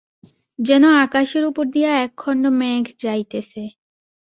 যেন আকাশের উপর দিয়া একখণ্ড মেঘ যাইতেছে।